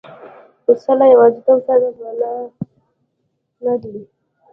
پسه له یوازیتوب سره بلد نه دی.